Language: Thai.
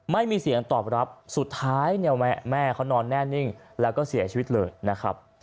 ไม่มีเสียงตอบรับสุดท้ายเนี่ยแม่เขานอนแน่นิ่งแล้วก็เสียชีวิตเลยนะครับ